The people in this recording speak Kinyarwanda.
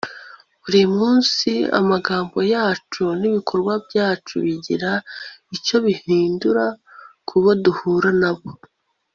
buri munsi amagambo yacu n'ibikorwa byacu bigira icyo bihindura kubo duhura na bo